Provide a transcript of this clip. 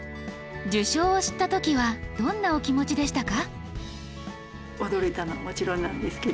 受賞を知った時はどんなお気持ちでしたか？